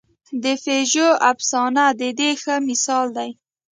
د پېژو افسانه د دې ښه مثال دی.